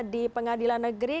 di pengadilan negeri